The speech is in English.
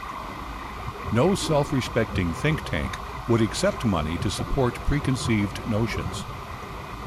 No self-respecting think tank would accept money to support preconceived notions.